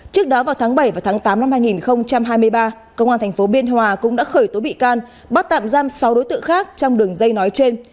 trước đó vào tháng bảy và tháng tám năm hai nghìn hai mươi ba công an tp biên hòa cũng đã khởi tố bị can bắt tạm giam sáu đối tượng khác trong đường dây nói trên